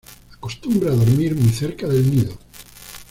Acostumbra dormir muy cerca del nido.